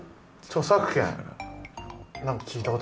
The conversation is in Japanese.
著作権。